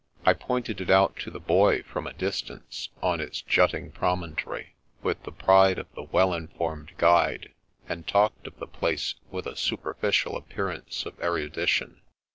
I pointed it out to the Boy from a distance, on its jutting promontory, with the pride of the well in formed guide, and talked of the place with a super ficial appearance of erudition.